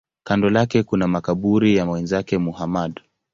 Kando lake kuna makaburi ya wenzake Muhammad.